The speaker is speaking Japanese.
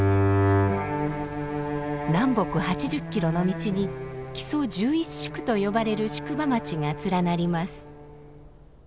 南北８０キロの道に木曽十一宿と呼ばれる宿場町が連なります。